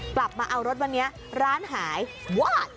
กลับมาเอารถวันนี้ร้านหายวาด